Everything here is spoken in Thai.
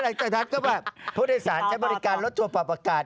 หลังจากนั้นก็ว่าผู้โดยสารใช้บริการรถชัวร์ปรับอากาศ